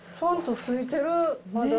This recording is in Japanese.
ちゃんとついてる、まだ。